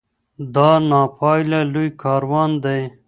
دا نا پایه لوی کاروان دی